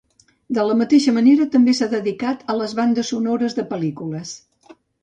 De la mateixa manera, també s'ha dedicat a les bandes sonores de pel·lícules.